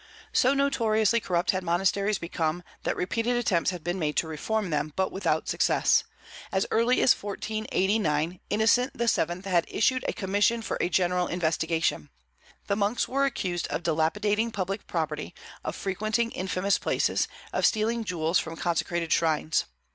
So notoriously corrupt had monasteries become that repeated attempts had been made to reform them, but without success. As early as 1489, Innocent VII. had issued a commission for a general investigation. The monks were accused of dilapidating public property, of frequenting infamous places, of stealing jewels from consecrated shrines.